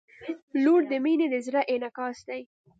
• لور د مینې د زړه انعکاس دی.